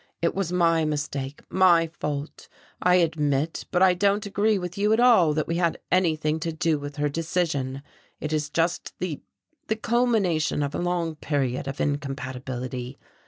It was my mistake, my fault, I admit, but I don't agree with you at all, that we had anything to do with her decision. It is just the the culmination of a long period of incompatibility.